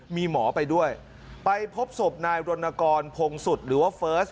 มีหมอไปด้วยไปพบศพนายรณกรพงศุษย์หรือว่าเฟิร์ส